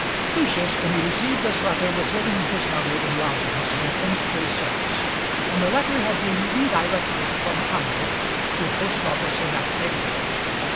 Lucius, when he received this letter, was living with his mother in lodgings near Finsbury Circus, and the letter had been redirected from Hamworth to a post office in that neighbourhood.